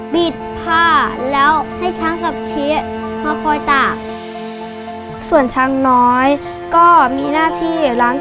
บิดผ้าแล้วให้ชั้นกับชี้มาคอยตั้ง